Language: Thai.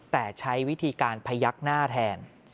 แต่ใช้วิธีการพยักหน้าแทน